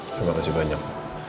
terima kasih banyak